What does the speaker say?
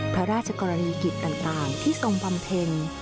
พระราชกรณีกิจต่างที่ทรงบำเพ็ญ